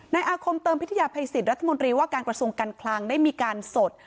อาคมเติมพิทยาภัยสิทธิรัฐมนตรีว่าการกระทรวงการคลังได้มีการสด